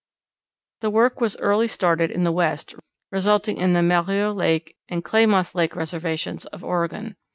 The work was early started in the West resulting in the Malheur Lake and Klamath Lake reservations of Oregon.